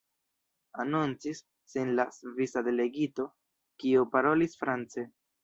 Anoncis sin la svisa delegito, kiu parolis france.